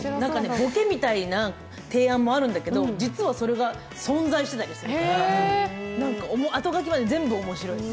ボケみたいな提案もあったんだけど、実はそれが存在してたり、あとがきまで全部面白いです。